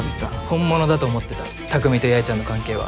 本物だと思ってた匠と八重ちゃんの関係は。